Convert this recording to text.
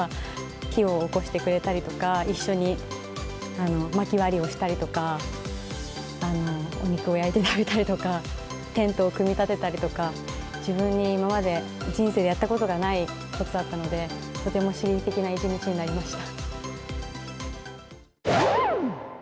火をおこしてくれたりとか、一緒にまき割りをしたりとか、お肉を焼いて食べたりとか、テントを組み立てたりとか、自分が今まで、人生でやったことがないことだったので、とても刺激的な一日になりました。